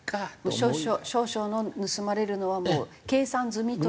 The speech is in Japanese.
少々の盗まれるのはもう計算済みという。